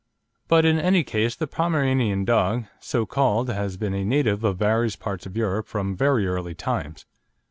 But in any case the Pomeranian dog, so called, has been a native of various parts of Europe from very early times.